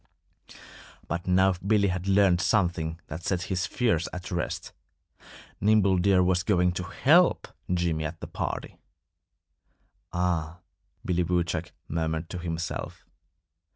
But now Billy had learned something that set his fears at rest. Nimble Deer was going to help Jimmy at the party. "Ah!" Billy Woodchuck murmured to himself.